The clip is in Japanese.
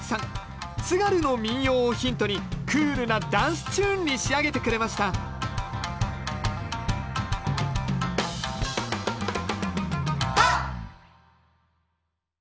津軽の民謡をヒントにクールなダンスチューンに仕上げてくれましたハッ！